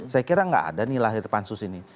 saya kira nggak ada nih lahir pansus ini